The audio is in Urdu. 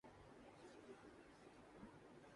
بازار جاتے ہوئے روزہ کا سامان لے آنا